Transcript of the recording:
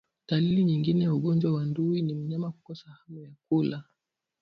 Dalili nyingine ya ugonjwa wa ndui ni mnyama kukosa hamu ya kula